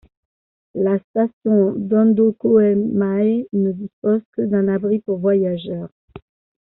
La station d'Undōkōenmae ne dispose que d'un abri pour voyageurs.